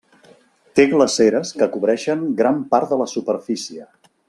Té glaceres que cobreixen gran part de la superfície.